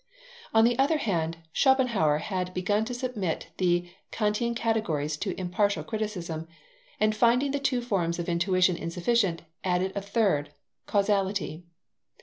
On the other hand, Schopenhauer had begun to submit the Kantian categories to impartial criticism, and finding the two forms of intuition insufficient, added a third, causality.